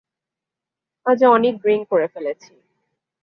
আজ অনেক ড্রিংক করে ফেলেছি।